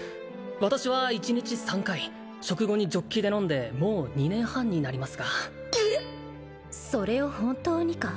私は１日３回食後にジョッキで飲んでもう２年半になりますがそれを本当にか？